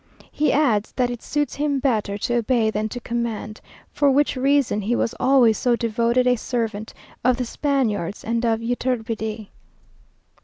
He adds, that it suits him better to obey than to command; for which reason he was always so devoted a servant of the Spaniards and of Yturbide.